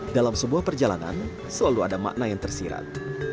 dalam sebuah perjalanan selalu ada makna yang tersirat